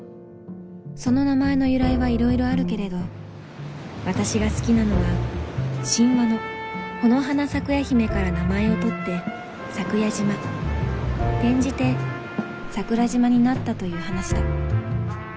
その名前の由来はいろいろあるけれど私が好きなのは神話のコノハナサクヤヒメから名前を取ってサクヤ島転じて桜島になったという話だ